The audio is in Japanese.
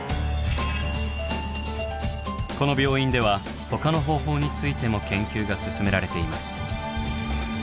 この病院ではほかの方法についても研究が進められています。